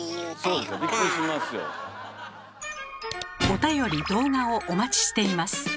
おたより動画をお待ちしています。